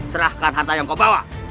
serahkan harta yang kau bawa